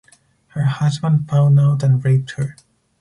Her husband found out and raped her.